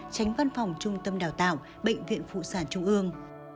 tránh văn phòng trung tâm đào tạo bệnh viện phụ sản trung ương